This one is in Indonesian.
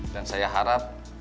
dan saya harap